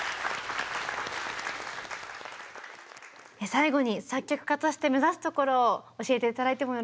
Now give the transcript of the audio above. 最後に作曲家として目指すところを教えて頂いてもよろしいでしょうか？